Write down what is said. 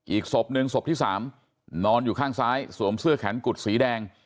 อีกศพหนึ่งศพที่๓นอนอยู่ข้างซ้ายสวมเสื้อแขนกุดสีแดง